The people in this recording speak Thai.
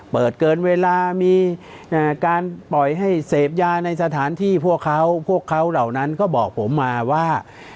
เปิดเกินเวลามีการปล่อยให้เสพยาในสถานที่พวกเขาพวกเขาเหล่านั้นก็บอกผมมาว่า